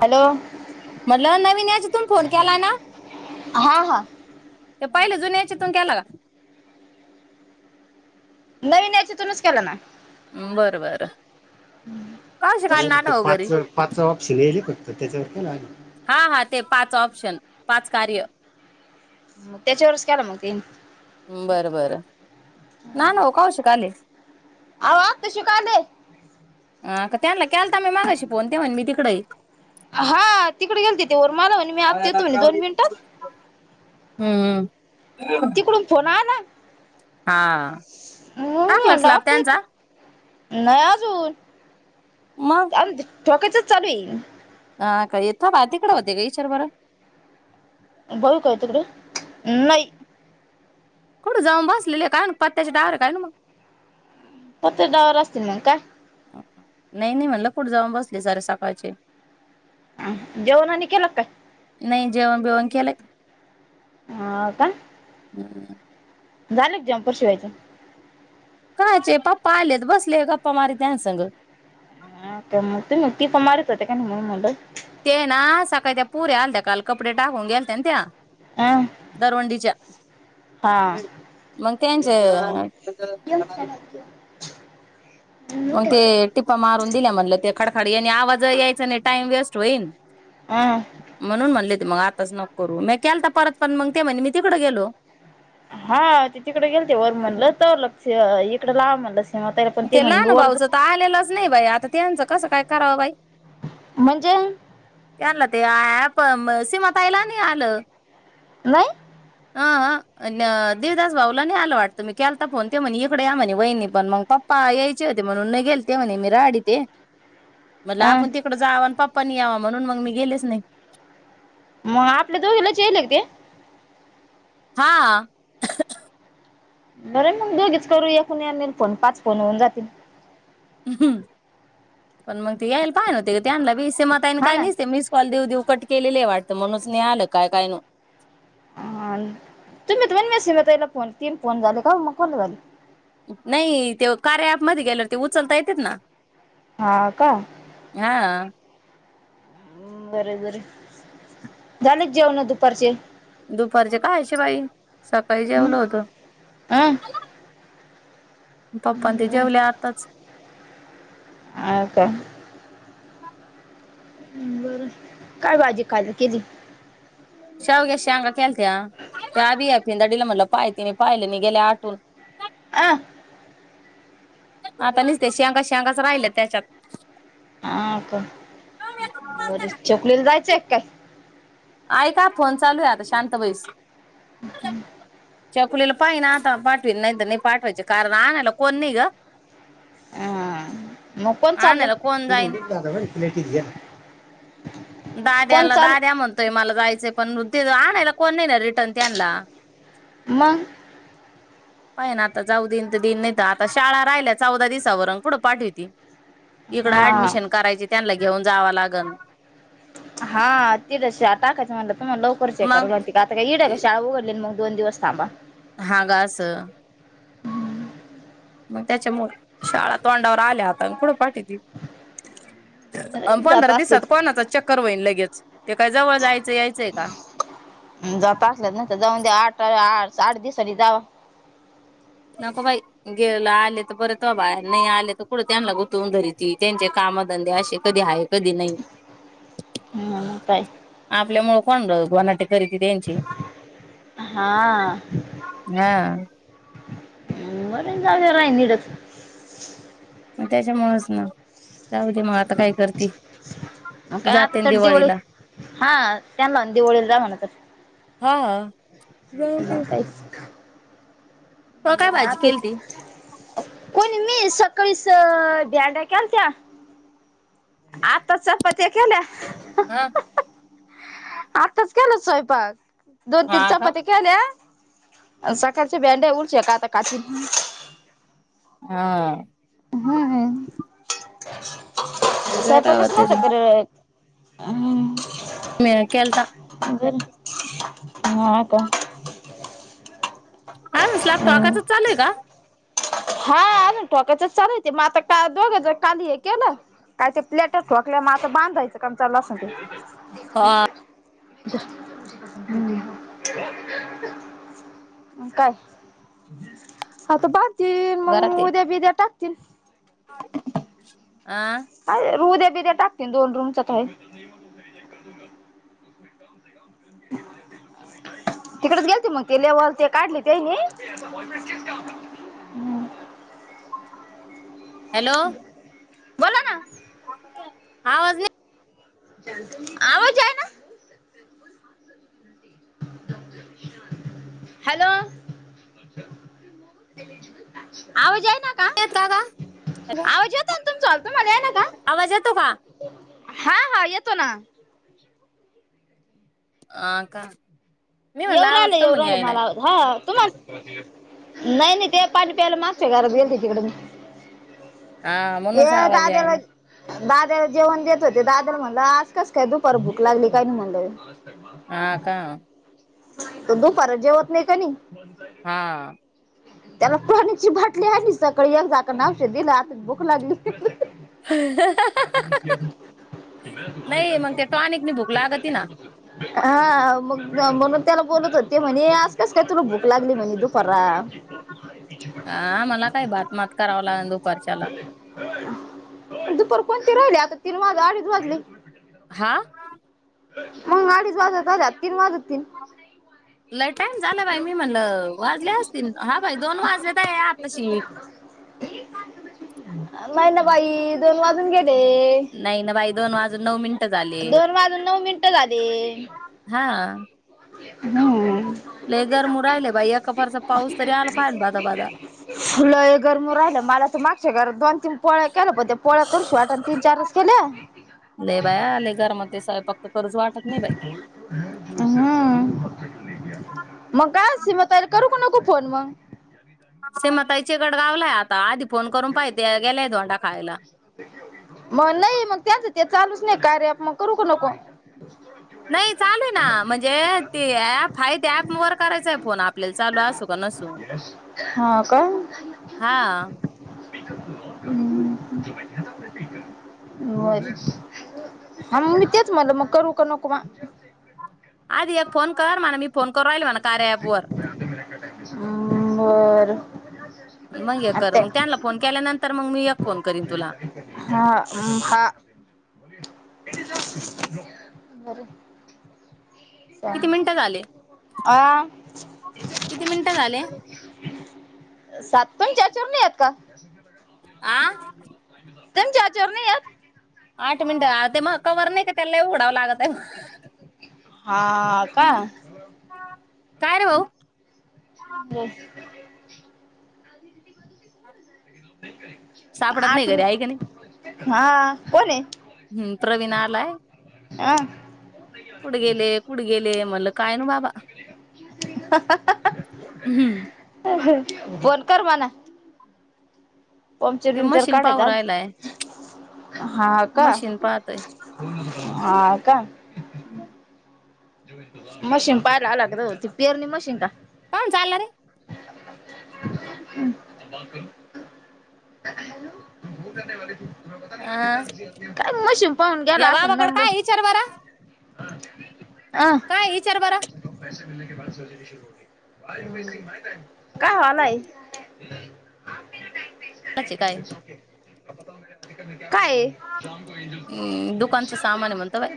Hello म्हटलं नवीन याच्यतुन फोन केला ना? हा हा ते पहिले जुन्याचे तून केला का? नवीन याच तुूनच केलं ना बर, बर हो ते पाच, पाच ऑप्शन येले करत त्याच्यावर काय नाही आलं. हा हा ते पाच ऑप्शन पाच कार्य म त्याच्यावरच केला मग त बरं बरं ना न कवाशिक आलय अहो आत्ताशी का आले ह का त्यांला केलता मि मागाशी फोन ते म्हण मी तिकडे हा तिकडे गेल तथे वरमाला म्हणे मी आता येतो म्हणे दोन मिनिटात हम्म, हम्म तिकडून फोन आला हा मग टाकला स्लॅप त्यांचा नाइ अजून मग चालू दे ठोकायचंच चाबी हा काय यथे नाय तिकडे होते का विचार बरं भाऊ हाय का तीकडे नाही कडं जाऊन बसलेले आहे काय पत्याचे डावर आहे काय ना मग पत्याच्याडावर असतील मग काय नाही नाही म्हटलं कुठे जाऊन बसले सरे सकाळचे हम जेवणानी केला का नाही जेवण बेवण केलं हा हो का हम् झाले का झमपर शिवायचं कायचे पप्पा आलेत बसलेत गप्पा मारी ह्याचसंग. हा का मग ती मग टीपा मारत होते का म्हणून म्हणलं. ते अ ना सकाळी त्या पोरी आलत्या काल कपडे टाकून गेलत्या ना त्या म्हणलं दरवंडीच्या हा मग त्यांचे मग ते टिपा मारून दिल्या म्हणलं ते खडखड यांनी आवाज ये चलेय टाइम वेस्ट होईन. अं म्हणून म्हणले मग आताच नको करू म्या केलता परत पण मग ते म्हणे मी तिकड गेलो. हा ते तिकडे गेलते वरमनलं तर लग इकड ला म्हणलं सीमा ताईला पण ते म्हणे मी लानु वर भाऊचं तर आलेलाच नाय बाई आता त्यांचं कसं काय करावं बाई? म्हणजे? त्यांना ते ऍप सीमाताईला नाय आलं. नाय? अह देवदास भाऊला नाही आलं वाटतं मी केलता फोन ते म्हणे इकडे या म्हणे वहिनी पण मग पप् पप्पा यायचे होते म्हणून गेल ते म्हणे मी राहाडीतय. म्हणलं अ आपण तिकडं जाव आणि पप् पप्पानी याव म्हणून मी गेलेच नाय. मग आपल्या दोघालाच येईला का ते हा बरय मग दोघीच करूया कोणी येईन कोन पाच फोन होऊन जातील. हम्म पण मग ते यायला पाहिल त्यांला बे सिमाताई न हा काय ना निसते मिस कॅल देऊ, देऊ कट केलेलय वाटत म्हणूनच नाय आलं काय काय नु हा तुम्ही म्हणले शिला ताईला फोन तीन फोन झाले का मग काउन नाइ झाले? नाइ ते कार्या ऍप मध्ये गेल्यावर ते उचलता येतेत ना हा का हा बरोबर झालिक जेवण दुपारचे? दुपारचे कायशी बाई सकाळी जेवलो होतो. अ पप्पान ते बर जेवले आताच. अ का बरं काय भाजी केली? शेवग्याच्या शेगा केलत्या त्या बीया फिदाडीला म्हणल पाय तिन पाहिल नाय गेल्या आटून. अ आता निसत्या शेंगाच शेंगाच राहिल्यात त्यांच्यात. ह का बर [unintelligible] जायचयं की काय? ऐका फोन चालू आहे आता शांत बैस छकुलीला पाहिण आता पाठवीन नाहीतर नाय पाठवायचे कारण आणायला कोण नाय ग हा मग कोण चाल्ला? आणायला कोण जाईन [unintelligible] दाद्याला दाद्या म्हणतोय मला जायचय पण तिथे आणायला कोण नाय ना रिटर्न त्यांला मग पाहीन आता जाऊ देईन तर देईन नाहीत आता शाळा राहिल्या चौदा दिसावर अन कुढं पाठवीती इकडं हा ऍडमिशन करायचे त्यांला घेऊन जावा लागण हा तिद शा टाकायच म्हणलं तुम्हाला लवकर चेक करल मग माहिती की आता काय इड शाळा उघडले ना मगं दोन दिवस थांबा हा गा असं मग त्याच्यामुळ शाळा तोंडावर आल्या आता कुड पाठीविती जात पंदरा दिवसात असलीच कोणाचा चक्कर वइन लगेच ते काय जवळ जायच-यायच का? जात असलाच न जाऊन दया आठ आ आठ दिवसानी जावा नको बाई गेला आले तर परत बाय नाही आले तर कुड त्यांना गुतवून धरीती त्यांचे कामधंदे असे कधी हाये कधी नाही मग काय आपल्या मो [unintelligible] खरेदी त्यांची हा हा [unintelligible] आहे निडच मग त्याच्यामुळेच ना जाऊदे मग आता काय करती मग काय आता जाते ना तर दिवळी दिवाळीला हा त्यांना दिवळीला जा म्हणत हा जाऊ दे [unintelligible] हो काय बरं भाजी आते केली ती? कोणी मी सकाळीस धेरड्या केलत्या आता चपात्या केल्या हा आताच केला स्वयंपाक हा दोन-तीन का चपात्या केल्या सकाळच्या बंड्या उडच्या काता कातील हा हम् तर ते [inaudible] स्वयंपाक करावा असला तर तरी करेल [inaudible] मीनी केलता हा का? काय हो स्लॅब हम्म. ठोकायचच चालुये का? हा अजून हा ठोकायचंच चालुये म आता का दोघं जण काल हे केलं काय ते प्लेट ठोकल्या म आता बांधायचं कामं चला सगळे हा काय हा त बांध ती मंग घरात ये उद्या बिद्या टाक [inaudible] [inaudible] आय उद्या दया टाकतीन दोन रूमच काय तिकडच गेलती मंग ते लेवल ते काढली त्यांनी हॅलो बोला ना आवाज नई आवज येयना हॅलो आवज याय येतो का हॅलो येतो ना तुमचा तुम्हाला आहे ना का आवाज येतो का? हा हा येतो ना आ का? मी म्हणला येऊ राह्यल आवाज का येऊ म्हणे राह्यल यायलाय मला आवाज हा तुम्हाल नाय नाय ते पाणी प्यायला मागच्या घरात गेलते तिकड मी हा ए म्हणूनच आवाज याय दाद्याला ना दाद्याला जेवण देत होते दाद्याला म्हणलं आज कस काय दुपार भूक लागली कायनु म्हणल आ का तो दुपार जेवत नाय कनी हा [unintelligible] त्याला पाण्याची बाटली आणि सकाळी एक झाकण औषध दिल आता भूक लागली. नाही मग ते टॉनिकनी भूक लागती ना [unintelligible] हा मग म्हणून त्याला बोलत होते म्हणे आजकस काय तुला भूक लागली म्हणे दुपार हा मला काही बातमात करावं लागेल दुपारच्याला. दुपार कोणती राहीली आता तीन वाजय अडीच वाजले हां मग अडीच वाजत आल्यात तीन वाजतीन लई टाईम झालं बाई मी म्हणल वाजले असतील हा बाई दोन वाजले आताशी अव मैनाबाई दोन वाजून गेल नाही ना बाई दोन वाजून नऊ मिनिटं झाली दोन वाजून नऊ मिनिटं हा लय गरमू राहिले बाई एका फारचा पाऊस तरी आला पाहि बादा बादा ह लय हे गरम होवू राहिलं, मला तर मागच्या घरात दोन तीन पोळ्या केल्या पण ते पोळ्या करूशाच वाटना तीन चारच केल्या. लै बया लई गरम होतंय सैपाक हम् मग काय असत मग तयारी करू काय नको? फोन वा असे मतायचे गड गावलाय आता आधी फोन करून पाहि त्या गेल्याय धोंडा खायला मग नाही मग त्याच ते चालूच नाय कार्य आपण करू का नको? नाही चालू आहे ना म्हणजे ते ऍप आहे ते ऍप वर करायचंय फोन आपल्याला चालू असो का नसो हा का हा हम् बर हा मग मी तेच म्हनल मग करू का नको म आदि एक फोन कर म्हणा मी फोन करू राहिलो न कार्य अँप वर हं बर मंग एक कर आता मग त्यानला फोन केल्यानंतर मग मी एक फोन करीन तुला. हा हा बर किती मिनिटं झाले. आ किती मिनिटं झाले. सात पण चार चार नाही आहेत का? आं त्यांच्या हेच्यावर नाहीएत? आठ मिनिट आ ते मा कवर नाही का त्याला लई उघडावं लागतय. हा का काय रे भाऊ ह सापडत नाही आठ घरी मी आहे का नाही. हा कोणय? हम्म प्रवीण आलाय. आं कुठ गेले कुठे गेले म्हणल कायनु बाबा हम्म फोन कर मना पमचर ते बिमचर मशीन पाहू काढायच. राहिलाय हा का मशीन पाहतोय हा का मशीन पाहायला आलात रं, ती पेरणी मशीन ना काऊण चालला रे [unintelligible] [unintelligible] अं, [unintelligible] काय मशीम पाहून गेला या असल बाबाकडे नब [inaudible] काय [inaudible] विचार बरं काय विचार बर [unintelligible] [unintelligible] काय व्हालय [inaudible] काचे काय आ [inaudible] काय अं, दुकानचं सामान आहे म्हणतो बाई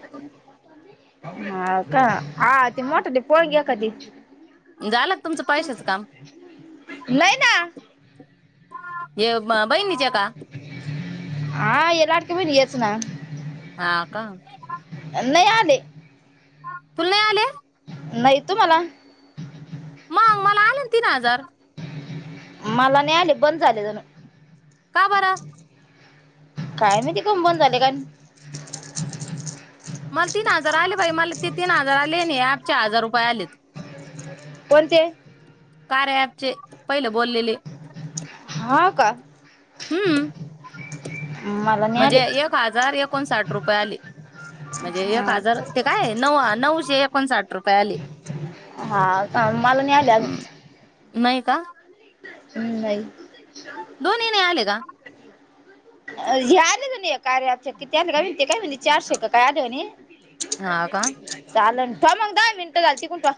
ये हा का हा ते मोठाले पोळ ग कधीच झालं का तुमचं पैशाचं काम नाही ना हे म बहिणीचे का? तुम्ही येच ना हा का नय आले तुला नाही आले नाही तूमाला मग मला आले न तीन हजार मला नाय आलेत बंद झाले जणू का बरं काय माहिती कामुण बंद झाले मला तीन हजार आलय मला ते तीन हजार आले आणि ॲप चार हजार रुपये आलेत कोणते कार्या ॲपचे पहिलं बोललेले हा का हम्म [inaudible] नाही आले म्हणजे एक हजार एकोणसाठ रुपये आले म्हणजे एक हा हजार ते काय नऊ हा नऊशे एकोणसाठ रुपये आले हा का मला नाही आले अजून नाय का हम नाई दुनी नाय आले का हे आले की नाय कार्या आपचे किती [unintelligible] काय म्हणे चारशे का काय आले म्हणे हा का चालन हा मग दहा मिनटं झालती कुठं